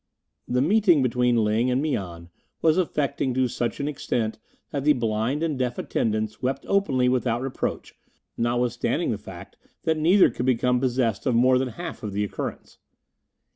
The meeting between Ling and Mian was affecting to such an extent that the blind and deaf attendants wept openly without reproach, notwithstanding the fact that neither could become possessed of more than a half of the occurrence.